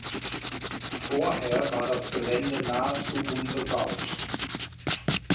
Vorher war das Gelände nahezu unbebaut.